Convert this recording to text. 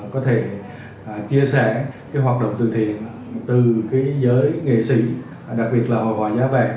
có thể chia sẻ hoạt động từ thiện từ giới nghệ sĩ đặc biệt là họa giá vàng